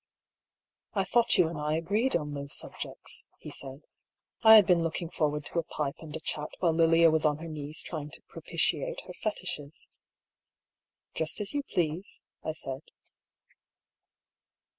" I thought you and I agreed on those subjects," he said. " I had been looking forward to a pipe and a chat while Lilia was on her knees trying to propitiate her Fetishes." " Just as you please," I said.